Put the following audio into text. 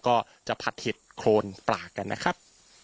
ก็จะผัดเห็ดโครนปลากันนะครับ